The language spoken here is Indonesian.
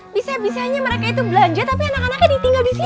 bisa bisanya mereka itu belanja tapi anak anaknya ditinggal di sini